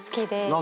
何？